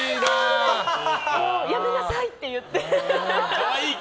やめなさいって言って。